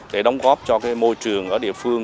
để đóng góp cho môi trường ở địa phương